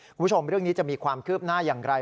คุณผู้ชมเรื่องนี้จะมีความคืบหน้าอย่างไร